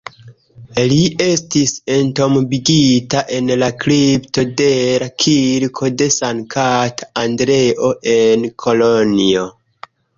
Li estis entombigita en la kripto dela kirko de Sankta Andreo en Kolonjo.